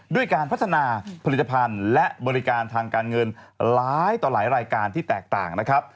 ด้วยการพัฒนาผลิตภัณฑ์และบริการทางการเงินหลายต่อหลายรายการที่แตกต่างนะครับ